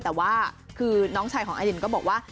แต่ว่าคือน้องชายของอดินก็บอกว่า